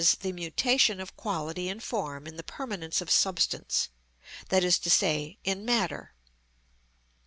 _, the mutation of quality and form in the permanence of substance, that is to say, in matter.